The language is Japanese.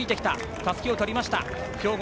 たすきをとりました。